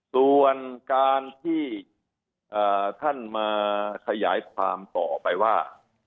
ส่วนการที่ท่านมาขยายความต่อไปว่า